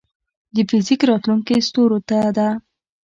د فزیک راتلونکې ستورو ته ده.